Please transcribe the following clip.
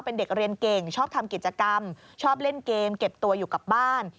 เป็นเด็กเรียนเก่งชอบทำกิจกรรมชอบเล่นเกมเก็บตัวอยู่กับบ้าน